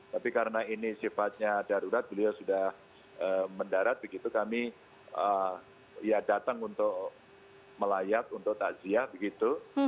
tapi karena ini sifatnya darurat beliau sudah mendarat begitu kami ya datang untuk melayat untuk takziah begitu